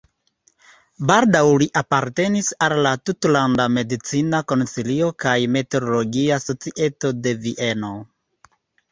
Baldaŭ li apartenis al la tutlanda medicina konsilio kaj meteologia societo de Vieno.